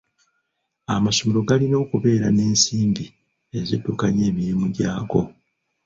Amasomero galina okubeera n'ensimbi eziddukanya emirimu gyago.